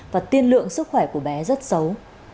và tiên lượng sức khỏe của bé rất xấu